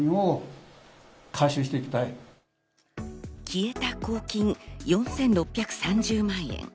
消えた公金４６３０万円。